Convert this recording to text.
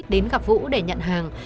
đến gặp vũ để nhận hàng